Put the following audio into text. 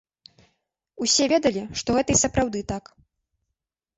Усе ведалі, што гэта і сапраўды так.